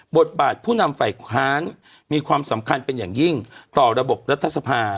บทบาทผู้นำฝ่ายค้านมีความสำคัญเป็นอย่างยิ่งต่อระบบรัฐสภา